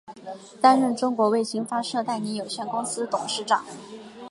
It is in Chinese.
担任中国卫星发射代理有限公司董事长。